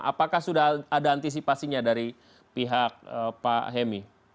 apakah sudah ada antisipasinya dari pihak pak hemi